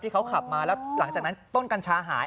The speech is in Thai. เขาขับมาแล้วหลังจากนั้นต้นกัญชาหาย